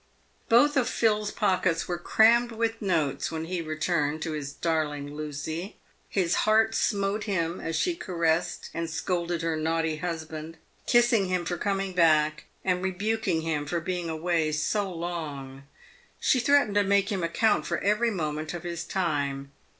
Both of Phil's pockets were crammed with notes when he returned to his darling Lucy. His heart smote him as she caressed and scolded her naughty husband, kissing him for coming back, and rebuking him for being away so long. She threatened to make him account for every moment of his time.